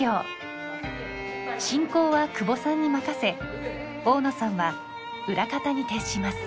進行は久保さんに任せ大野さんは裏方に徹します。